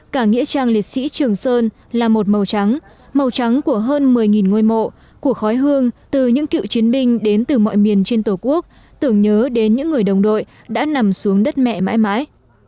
cả nghĩa trang liệt sĩ trường sơn là một màu trắng màu trắng của hơn một mươi ngôi mộ của khói hương từ những cựu chiến binh đến từ mọi miền trên tổ quốc tưởng nhớ đến những người đồng đội đã nằm xuống đất mẹ mãi mãi